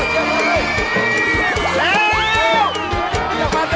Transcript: เชี่ยงมัน